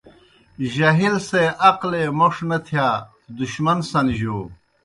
جاہل سے عقلے موْݜ نہ تھیا، دُشمن سنجو